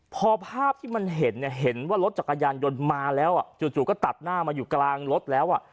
พอภาพที่มันเห็นเนี่ยเห็นว่ารถจักรยานยนต์มาแล้วจู่ก็ตัดหน้ามาอยู่กลางรถแล้วอ่ะ